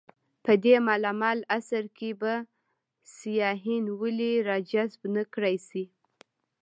په دې مالامال عصر کې به سیاحین ولې راجذب نه کړای شي.